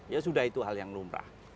ya sudah itu hal yang lumrah